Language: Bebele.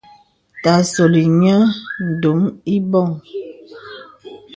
Ta solì nyə̀ dumə ìbɔŋ.